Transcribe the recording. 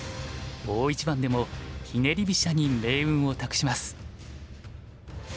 大一番でもひねり飛車に命運を託します。